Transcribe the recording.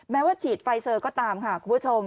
ว่าฉีดไฟเซอร์ก็ตามค่ะคุณผู้ชม